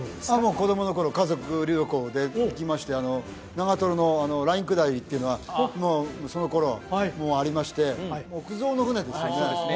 子供の頃家族旅行で行きまして長瀞のライン下りっていうのはその頃もありまして木造の舟でしたね